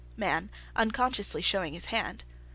MAN. (_Unconsciously showing his hand.